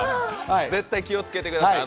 絶対気をつけてください。